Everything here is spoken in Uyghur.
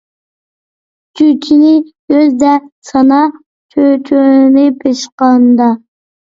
چۈجىنى كۈزدە سانا، چۆچۈرىنى پىشقاندا